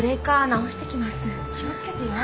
気をつけてよ。